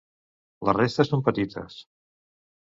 La resta són petites.